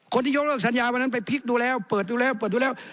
คนที่ยกเลิกสัญญาวันนั้นไปพลิกดูแล้วเปิดดูแล้วเปิดดูแล้ว